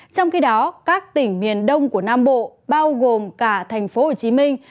trong khi đó các tỉnh miền đông của nam bộ bao gồm cả thành phố hồ chí minh